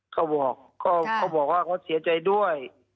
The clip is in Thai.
เขาบอกว่าเขาเสียใจด้วย